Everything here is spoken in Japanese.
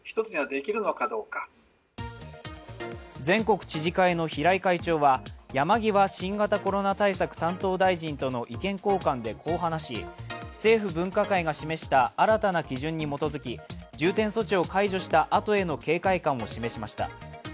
全国知事会の平井会長は山際新型コロナ対策担当大臣との意見交換でこう話し政府分科会が示した新たな基準委基づき、重点措置を解除したあとへの警戒感を示しました。